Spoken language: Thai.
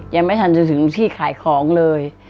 ยังไม่ทันจะถึงที่ขายของเลย